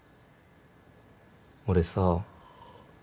俺さ。